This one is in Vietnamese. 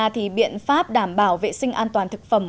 thì biện pháp đảm bảo vệ sinh an toàn thực phẩm